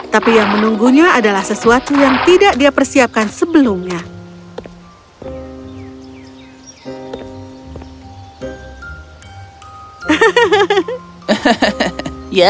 tapi yang menunggunya adalah sesuatu yang tidak dia persiapkan sebelumnya